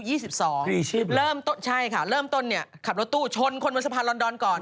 เริ่มต้นใช่ค่ะเริ่มต้นเนี่ยขับรถตู้ชนคนบนสะพานลอนดอนก่อน